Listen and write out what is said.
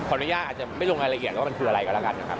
ธรรมยาอาจจะไม่รู้ในละเอียดว่ามันคืออะไรก็แล้วกันนะครับ